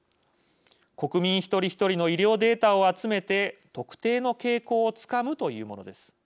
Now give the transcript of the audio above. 国民一人一人の医療データを集めて特定の傾向をつかむというものです。